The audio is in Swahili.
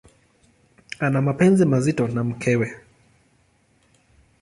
Ana mapenzi mazito na mkewe.